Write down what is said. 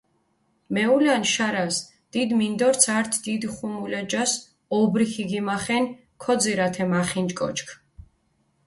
მეულანი შარას, დიდი მინდორც ართი დიდი ხუმულა ჯას ობრი ქიგიმახენი, ქოძირჷ ათე მახინჯი კოჩქჷ.